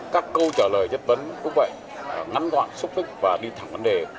các câu trả lời chất vấn cũng vậy ngắn gọn xúc thức và đi thẳng vấn đề